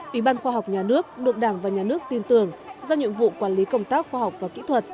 ủy ban khoa học nhà nước được đảng và nhà nước tin tưởng do nhiệm vụ quản lý công tác khoa học và kỹ thuật